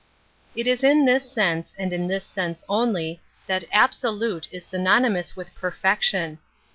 ! It is in this sense, and in this sense only, \ that absolute is synonymous with perfec r tion.